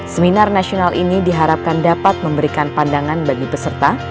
seminar nasional ini diharapkan dapat memberikan pandangan bagi peserta